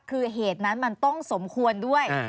คือเหตุนั้นมันต้องสมควรด้วย